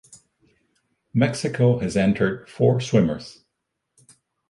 Mexico has entered four swimmers.